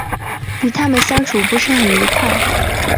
与他们相处不是很愉快